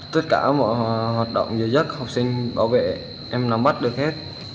tất cả mọi hoạt động giới dất học sinh bảo vệ em làm bắt được hết